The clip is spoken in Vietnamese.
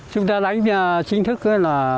chúng ta đánh chính thức là